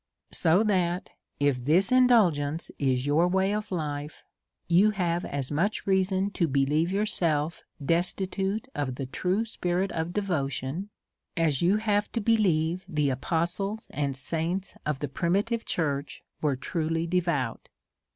So that, if this indulgence is your way of life, you have as much reason to believe yourself destitute of the true spirit of devotion, as you have to believe the apostles and saints of the primitive church were truly devout.